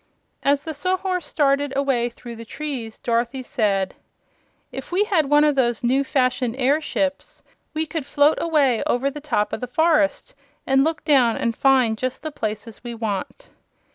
As the Sawhorse started away through the trees Dorothy said: "If we had one of those new fashioned airships we could float away over the top of the forest, and look down and find just the places we want."